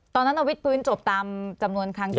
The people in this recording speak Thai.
ตอนนั้นวิทพื้นจบตามจำนวนครั้งนี้